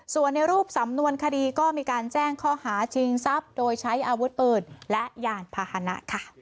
ส่วนในรูปสำนวนคดีก็มีการแจ้งข้อหาชิงทรัพย์โดยใช้อาวุธปืนและยานพาหนะค่ะ